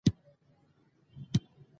او د ناکامي وروسته